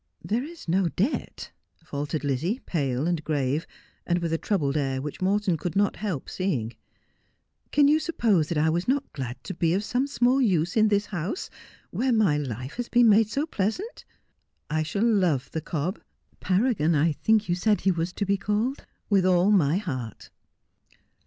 ' There is no debt,' faltered Lizzie, pale and grave, and with a troubled air which Morton could not help seeing. ' Can you sup pose that I was not glad to be of some small use in this house, where my life has been made so pleasant 1 I shall love the cob —■ Paragon, I think you said he was to be called — with all my heart.'